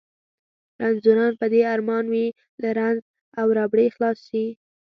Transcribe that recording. رنځوران په دې ارمان وي له رنځ او ربړې خلاص شي.